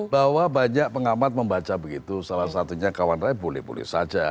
bahwa banyak pengamat membaca begitu salah satunya kawan saya boleh boleh saja